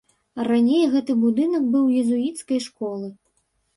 Раней гэты будынак быў езуіцкай школы.